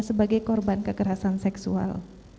sebagai korban kekerasan seksual